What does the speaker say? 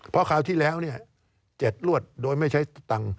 เพราะคราวที่แล้ว๗รวดโดยไม่ใช้ตังค์